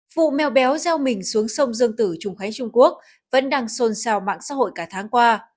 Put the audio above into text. vụ mèo béo gieo mình xuống sông dương tử trung khánh trung quốc vẫn đang xôn xào mạng xã hội cả tháng qua